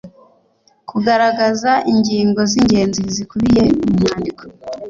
Kugaragaza ingingo z’ingenzi zikubiye mu mwandiko